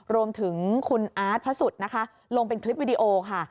รวมถึงคุณอาร์ตพระสุทธิ์นะคะลงเป็นคลิปวิดีโอค่ะ